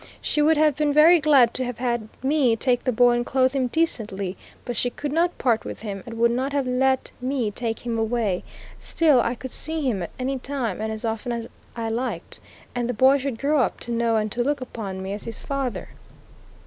She would have been very glad to have had me take the boy and clothe him decently; but she could not part with him, and would not have let me take him away; still, I could see him at any time, and as often as I liked, and the boy should grow up to know and to look upon me as his father.